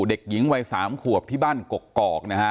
เด็กหญิงวัย๓ขวบที่บ้านกกอกนะฮะ